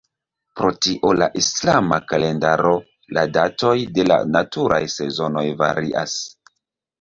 Pro tio la islama kalendaro la datoj de la naturaj sezonoj varias.